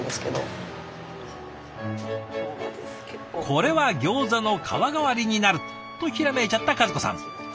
これはギョーザの皮代わりになるとひらめいちゃった和子さん。